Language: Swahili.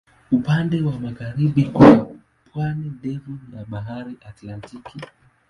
Upande wa magharibi kuna pwani ndefu ya Bahari Atlantiki.